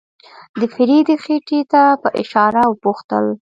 د فريدې خېټې ته په اشاره وپوښتل.